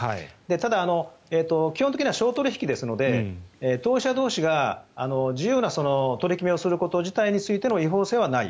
ただ、基本的には商取引ですので当社同士が自由な取り決めをすること自体についての違法性はない。